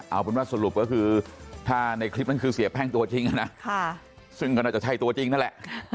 เอาเป็นว่าสรุปก็คือถ้าในคลิปนั้นคือเสียแป้งตัวจริงนะซึ่งก็น่าจะใช่ตัวจริงนั่นแหละ